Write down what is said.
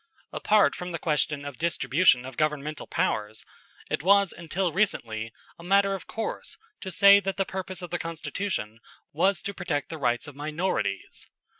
Apart from the question of distribution of governmental powers, it was until recently a matter of course to say that the purpose of the Constitution was to protect the rights of minorities.